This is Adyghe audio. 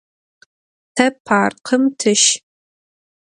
Te parkım tış!